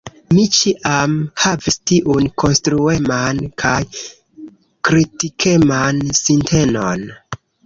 Mi ĉiam havis tiun konstrueman kaj kritikeman sintenon.